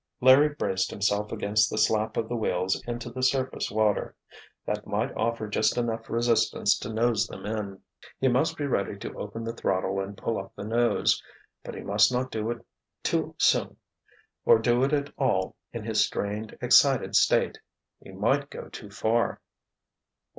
Larry braced himself against the slap of the wheels into the surface water. That might offer just enough resistance to nose them in. He must be ready to open the throttle and pull up the nose—but he must not do it too soon, or do it at all in his strained, excited state—he might go too far.